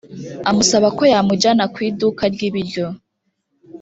amusaba ko yamujyana ku iduka ry’ ibiryo.